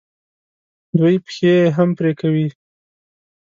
دوی پښې یې هم پرې کوي.